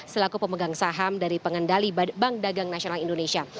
selaku pemegang saham dari pengendali bank dagang nasional indonesia